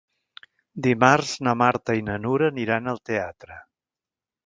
Dimarts na Marta i na Nura aniran al teatre.